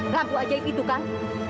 rambut ajaib itu kan